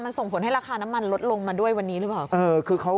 มันส่งผลให้ราคาน้ำมันลดลงมาด้วยวันนี้หรือเปล่า